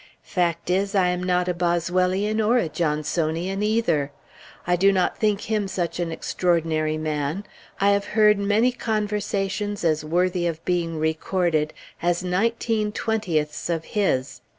Fact is, I am not a Boswellian, or a Johnsonian, either. I do not think him such an extraordinary man. I have heard many conversations as worthy of being recorded as nineteen twentieths of his.